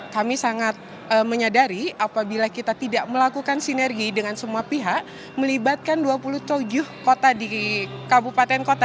kami sangat menyadari apabila kita tidak melakukan sinergi dengan semua pihak melibatkan dua puluh tujuh kota di kabupaten kota